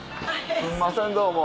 すんませんどうも。